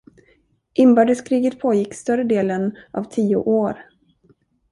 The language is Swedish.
Inbördeskriget pågick större delen av tio år.